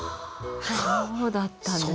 はあそうだったんですか。